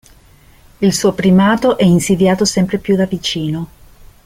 Il suo primato è insidiato sempre più da vicino.